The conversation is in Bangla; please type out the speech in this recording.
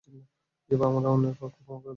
যেভাবে আমরা অন্যের পাপকে ক্ষমা করে দেই!